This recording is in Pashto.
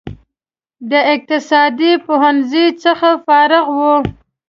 د اقتصاد پوهنځي څخه فارغ و.